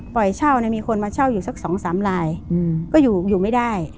เช่าเนี่ยมีคนมาเช่าอยู่สักสองสามลายก็อยู่อยู่ไม่ได้